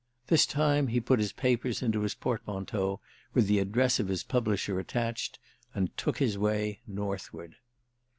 This time he put his papers into his portmanteau, with the address of his publisher attached, and took his way northward.